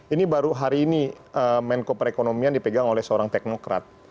ini baru hari ini menko perekonomian dipegang oleh seorang teknokrat